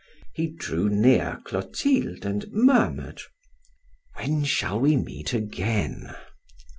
He drew near Clotilde and murmured: "When shall we meet again?"